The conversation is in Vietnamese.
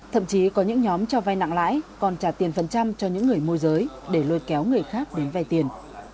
thậm chí có những nhóm cho vai nặng lãi còn trả tiền phần trăm cho những người môi giới để lôi kéo người khác đến vay tiền